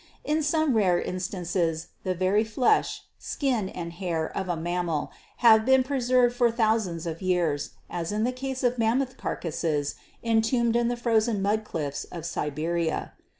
In some rare instances the very flesh, skin and hair of a mammal have been preserved for thousands of years, as in the case of mammoth carcasses entombed in the frozen mud cliffs of Siberia.